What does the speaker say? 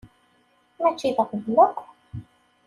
Mačči d aɣbel akk!